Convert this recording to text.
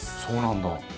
そうなんだ。